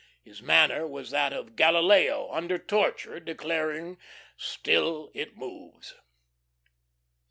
His manner was that of Galileo under torture declaring "still it moves."